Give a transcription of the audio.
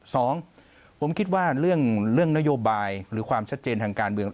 สองผมคิดว่าเรื่องนโยบายหรือความชัดเจนทางการเมือง